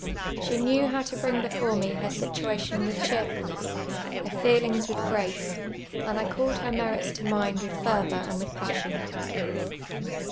She knew how to brini; before me her situation with cheerfulness, her feelings with ^"ace, and I called her merits to mind w ith fervour and with j)assion.